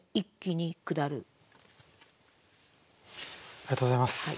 ありがとうございます。